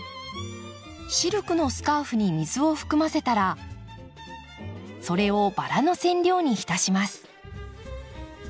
シルクのスカーフに水を含ませたらそれをバラの染料に浸します。